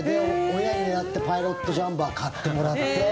親にねだってパイロットジャンパー買ってもらって。